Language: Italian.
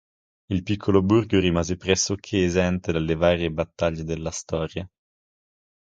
Il piccolo borgo rimase pressoché esente dalle varie battaglie della storia.